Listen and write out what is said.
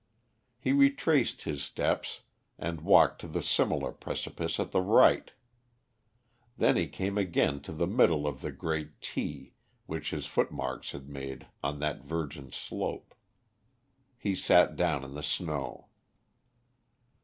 He retraced his steps and walked to the similar precipice at the right. Then he came again to the middle of the great T which his footmarks had made on that virgin slope. He sat down in the snow.